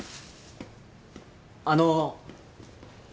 あの。